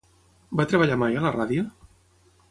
Va treballar mai a la ràdio?